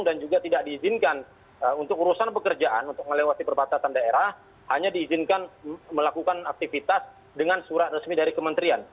dan juga tidak diizinkan untuk urusan pekerjaan untuk melewati perbatasan daerah hanya diizinkan melakukan aktivitas dengan surat resmi dari kementerian